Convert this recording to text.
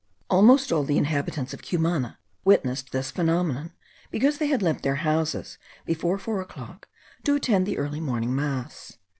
Almost all the inhabitants of Cumana witnessed this phenomenon, because they had left their houses before four o'clock, to attend the early morning mass.